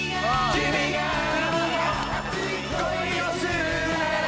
「君が熱い恋をするなら」